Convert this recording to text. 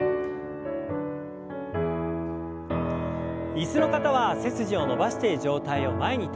椅子の方は背筋を伸ばして上体を前に倒します。